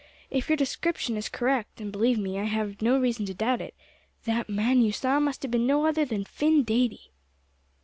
"If your description is correct, and believe me, I have no reason to doubt it, that man you saw must have been no other than Phin Dady!"